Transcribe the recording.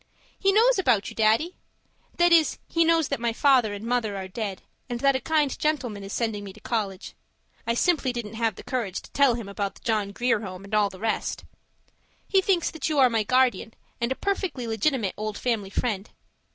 He knows about you, Daddy. That is, he knows that my father and mother are dead, and that a kind gentleman is sending me to college; I simply didn't have the courage to tell him about the John Grier Home and all the rest. He thinks that you are my guardian and a perfectly legitimate old family friend.